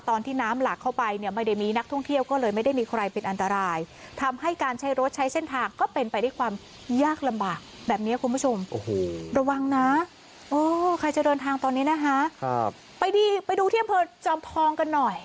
โอ้ใครจะเดินทางตอนนี้นะฮะครับไปดีไปดูเที่ยวเผลอจำทองกันหน่อย